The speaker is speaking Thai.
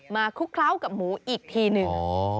คลุกเคล้ากับหมูอีกทีหนึ่ง